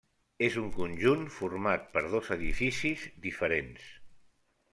És un conjunt format per dos edificis diferents.